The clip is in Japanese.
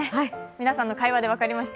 皆さんの会話で分かりました。